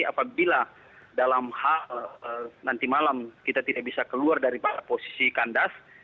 apabila dalam hal nanti malam kita tidak bisa keluar dari posisi kandas